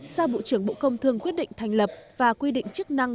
sao bộ trưởng bộ công thương quyết định thành lập và quy định chức năng